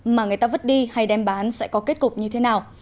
mà người ta vứt đi hay đem bán sẽ có kết cục như thế nào